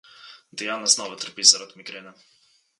Diana znova trpi zaradi migrene.